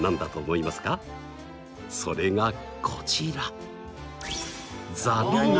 それがこちら！